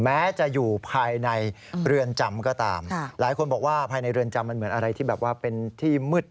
แม้จะอยู่ภายในเรือนจำก็ตามหลายคนบอกว่าภายในเรือนจำมันเหมือนอะไรที่แบบว่าเป็นที่มืด